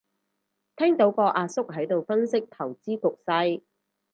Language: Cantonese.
聽到個阿叔喺度分析投資局勢